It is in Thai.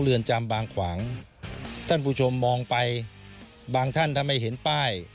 เรือนจำบางขวางท่านผู้ชมมองไปบางท่านถ้าไม่เห็นป้าย